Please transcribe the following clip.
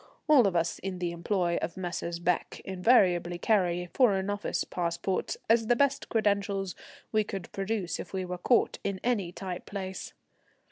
All of us in the employ of Messrs. Becke invariably carried Foreign Office passports as the best credentials we could produce if we were caught in any tight place.